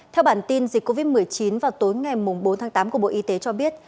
theo bản tin dịch covid một mươi chín vào tối ngày bốn tháng tám của bộ y tế cho biết